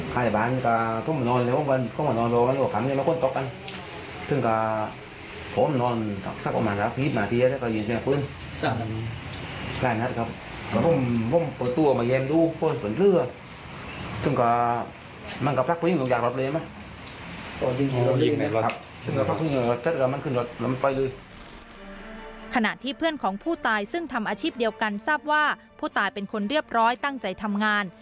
ขณะที่เพื่อนของผู้ตายซึ่งทำอาชีพเดียวกันทราบว่าผู้ตายเป็นคนเรียบร้อยตั้งใจทำงาน